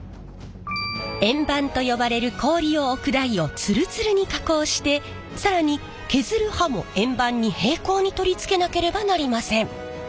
円盤と呼ばれる氷を置く台をツルツルに加工して更に削る刃も円盤に平行に取り付けなければなりません。